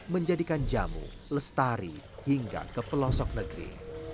menjadikan jamu lestari hingga ke pelosok negeri